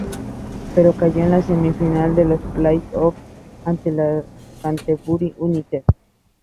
Pero cayó en la semifinal de los playoffs ante el Canterbury United.